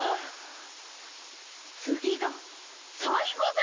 つぎがさいごです。